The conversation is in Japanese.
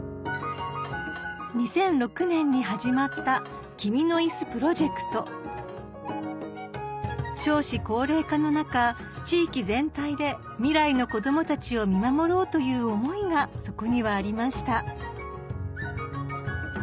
２００６年に始まった少子高齢化の中地域全体で未来の子供たちを見守ろうという思いがそこにはありました